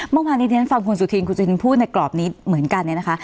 เมื่อวานนี้ที่ฉันฟังคุณสุธินคุณสุธินพูดในกรอบนี้เหมือนกันเนี่ยนะคะ